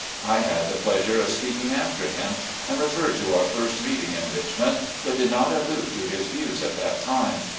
I had the pleasure of speaking after him, and referred to our first meeting in Richmond, but did not allude to his views at that time.